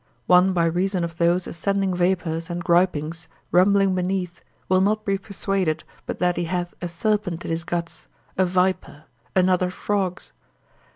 One by reason of those ascending vapours and gripings, rumbling beneath, will not be persuaded but that he hath a serpent in his guts, a viper, another frogs.